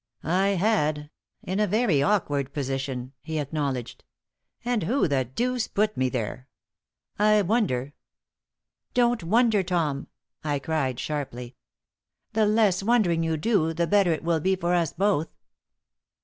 "I had in a very awkward position," he acknowledged. "And who the deuce put me there? I wonder " "Don't wonder, Tom," I cried, sharply. "The less wondering you do the better it will be for us both."